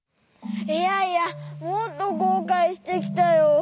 いやいやもっとこうかいしてきたよ。